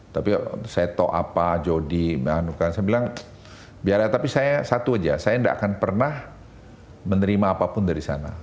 tapi seto apa jodi saya bilang biar tapi saya satu aja saya nggak akan pernah menerima apapun dari sana